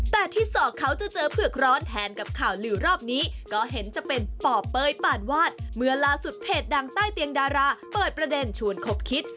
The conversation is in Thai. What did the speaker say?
แต่ที่สอกเขาจะเจอเผือกร้อนแทนกับข่าวลือรอบนี้ก็เห็นจะเป็นป่อเป้ยปานวาดเมื่อล่าสุดเพจดังใต้เตียงดาราเปิดประเด็นชวนคบคิด